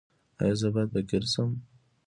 ایا زه باید فقیر شم؟